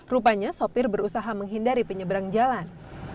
rupanya sopir berusaha menghindari penyeberang jalan